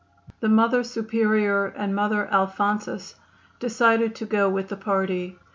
The Mother Superior and Mother Alphonsus decided to go with the party.